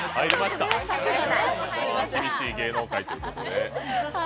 厳しい芸能界ということで。